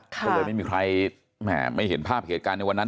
ก็เลยไม่มีใครไม่เห็นภาพเหตุการณ์ในวันนั้น